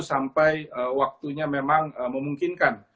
sampai waktunya memang memungkinkan